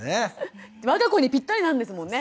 我が子にぴったりなんですもんね。